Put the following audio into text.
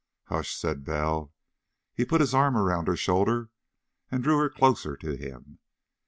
"Hush!" said Bell. He put his arm about her shoulder and drew her closer to him.